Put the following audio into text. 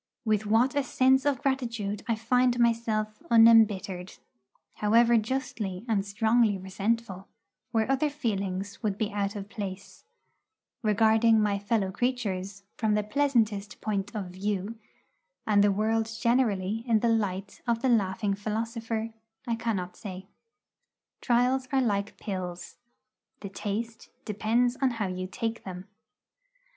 With what a sense of gratitude I find myself unembittered however justly and strongly resentful, where other feelings would be out of place regarding my fellow creatures from the pleasantest point of view, and the world generally in the light of the laughing philosopher, I cannot say. Trials are like pills. The taste depends upon how you take them.